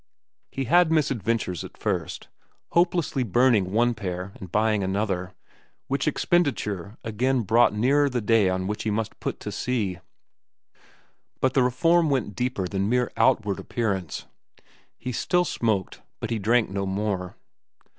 He had misadventures at first, hopelessly burning one pair and buying another, which expenditure again brought nearer the day on which he must put to sea. But the reform went deeper than mere outward appearance. He still smoked, but he drank no more.